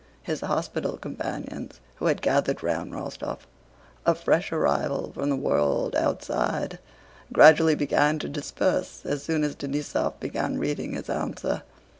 His hospital companions, who had gathered round Rostóv—a fresh arrival from the world outside—gradually began to disperse as soon as Denísov began reading his answer.